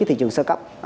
thị trường sơ cấp